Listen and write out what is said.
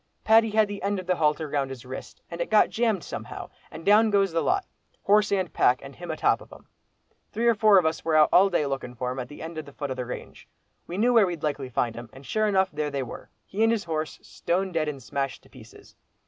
Paddy had the end of the halter round his wrist, and it got jammed somehow, and down goes the lot, horse and pack, and him atop of 'em. Three or four of us were out all day looking for him at the foot of the range. We knew where we'd likely find him, and sure enough there they were, he and his horse, stone dead and smashed to pieces.